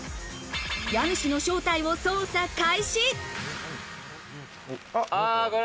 家主の正体を捜査開始。